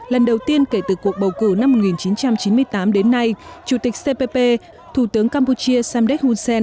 lần đầu tiên kể từ cuộc bầu cử năm một nghìn chín trăm chín mươi tám đến nay chủ tịch cpp thủ tướng campuchia samdek hun sen